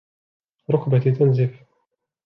ركبتي تنزف.